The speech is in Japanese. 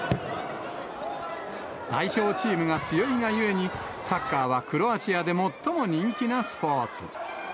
代表チームが強いがゆえに、サッカーはクロアチアで最も人気なスポーツ。